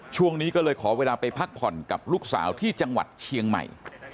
ช่วงนี้ก็เลยขอเวลาไปพักผ่อนกับลูกสาวที่จังหวัดเชียงใหม่